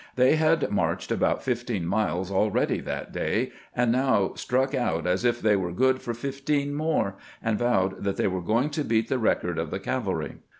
They had marched about fifteen miles akeady that day, and now struck out as if they were good for fifteen more, and vowed that they were going to beat the record of the cavaky.